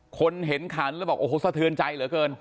คนเห็นขันแล้วบอกโอ้โหสะเทือนใจเหลือเกิน